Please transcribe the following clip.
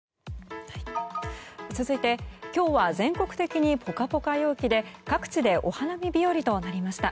続いて、今日は全国的にポカポカ陽気で各地でお花見日和となりました。